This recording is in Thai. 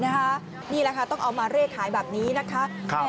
นี่แหละค่ะต้องเอามาเลขขายแบบนี้นะคะ